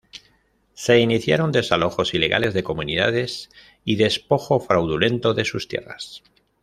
Se iniciaron desalojos ilegales de comunidades y despojo fraudulento de sus tierras.